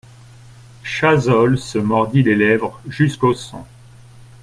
Chazolles se mordit les lèvres jusqu'au sang.